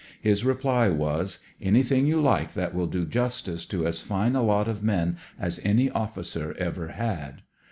His reply was: "Anything you like that wiU do justice to as fine a lot of men as any officer ever had."